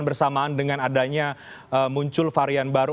bersamaan dengan adanya muncul varian baru